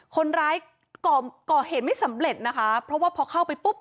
คนร้ายก่อเหตุไม่สำเร็จนะคะเพราะว่าพอเข้าไปปุ๊บ